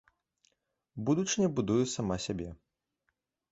Будучыня будуе сама сябе.